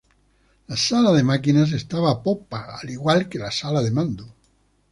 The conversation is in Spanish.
La sala de máquinas estaba a popa, al igual que la sala de mando.